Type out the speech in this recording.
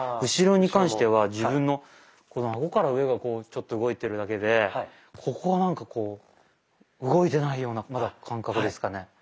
後ろに関しては自分のこの顎から上がこうちょっと動いてるだけでここはなんかこう動いてないようなまだ感覚ですかね。